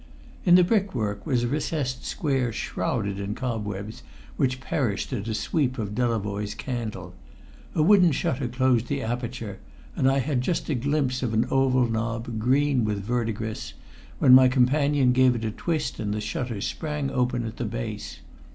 In the brickwork was a recessed square, shrouded in cobwebs which perished at a sweep of Delavoye's candle; a wooden shutter closed the aperture, and I had just a glimpse of an oval knob, green with verdigris, when my companion gave it a twist and the shutter sprang open at the base.